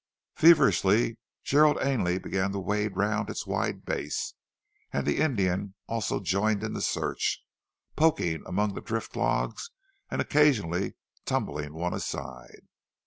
Feverishly, Gerald Ainley began to wade round its wide base; and the Indian also joined in the search, poking among the drift logs and occasionally tumbling one aside.